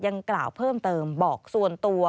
ยังกล่าวเพิ่มเติมบอกส่วนตัว